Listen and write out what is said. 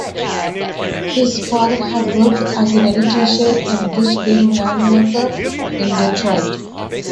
His father had worked as an electrician and bridge-building ironworker in Detroit.